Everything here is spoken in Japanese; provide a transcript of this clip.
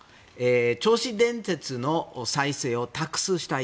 銚子電鉄の再生をタクシたい。